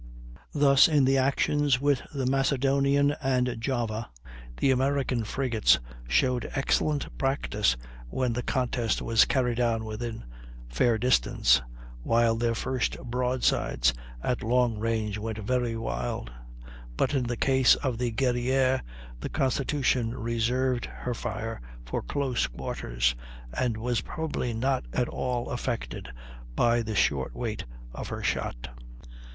Thus in the actions with the Macedonian and Java the American frigates showed excellent practice when the contest was carried on within fair distance, while their first broadsides at long range went very wild; but in the case of the Guerrière, the Constitution reserved her fire for close quarters, and was probably not at all affected by the short weight of her shot.